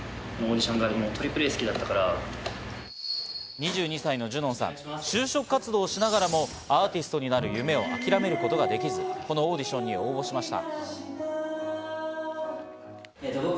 ２２歳のジュノンさん、就職活動をしながらも、アーティストになる夢を諦めることができず、このオーディションに応募しました。